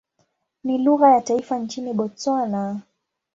Ni lugha ya taifa nchini Botswana.